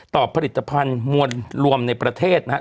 ผลิตภัณฑ์มวลรวมในประเทศนะครับ